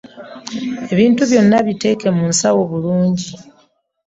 Ebintu byonna biteeke mu nsawo bulungi.